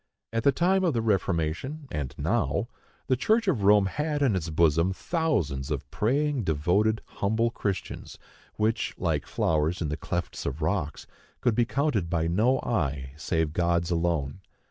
At the time of the Reformation, and now, the Church of Rome had in its bosom thousands of praying, devoted, humble Christians, which, like flowers in the clefts of rocks, could be counted by no eye, save God's alone.